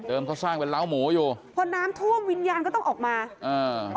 เขาสร้างเป็นล้าหมูอยู่พอน้ำท่วมวิญญาณก็ต้องออกมาอ่า